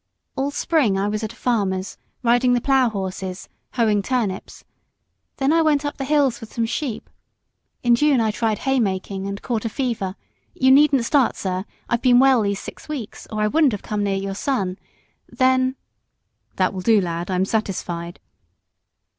All spring I was at a farmer's, riding the plough horses, hoeing turnips; then I went up the hills with some sheep: in June I tried hay making, and caught a fever you needn't start, sir, I've been well these six weeks, or I wouldn't have come near your son then " "That will do, lad I'm satisfied."